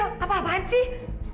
aduh mil apa apaan sih